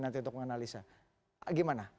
nanti untuk menganalisa gimana